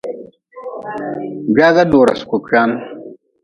Gwaga dora suku kwan.